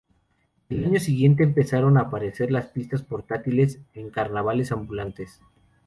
El año siguiente empezaron a aparecer las pistas portátiles en carnavales ambulantes.